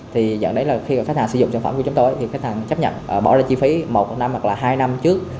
thì dẫn đến là khi mà khách hàng sử dụng sản phẩm của chúng tôi thì khách hàng chấp nhận bỏ ra chi phí một năm hoặc là hai năm trước